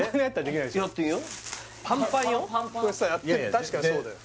確かにそうだよ